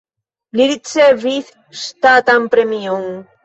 Li ricevis ŝtatan premion.